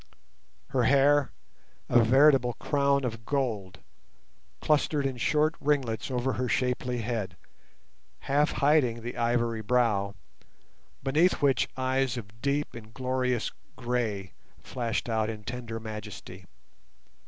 Her hair, a veritable crown of gold, clustered in short ringlets over her shapely head, half hiding the ivory brow, beneath which eyes of deep and glorious grey flashed out in tender majesty.